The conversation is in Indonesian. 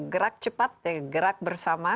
gerak cepat gerak bersama